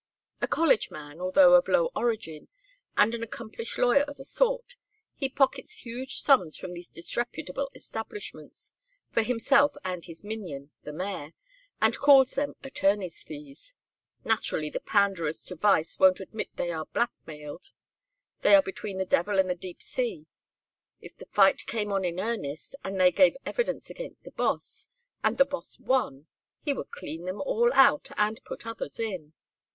A college man, although of low origin, and an accomplished lawyer of a sort, he pockets huge sums from these disreputable establishments, for himself and his minion, the mayor, and calls them attorney's fees. Naturally the panderers to vice won't admit they are blackmailed: they are between the devil and the deep sea; if the fight came on in earnest, and they gave evidence against the Boss, and the Boss won, he would clean them all out and put others in.